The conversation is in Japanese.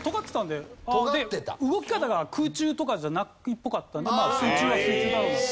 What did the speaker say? で動き方が空中とかじゃないっぽかったんでまあ水中は水中だろうなと。